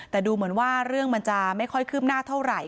แต่ดูเหมือนว่าเรื่องมันจะไม่ค่อยคืบหน้าเท่าไหร่